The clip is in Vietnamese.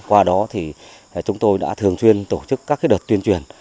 qua đó chúng tôi đã thường chuyên tổ chức các đợt tuyên truyền